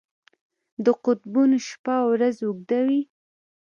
د قطبونو شپه او ورځ اوږده وي.